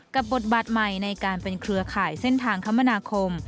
บทบาทใหม่ในการเป็นเครือข่ายเส้นทางคมนาคม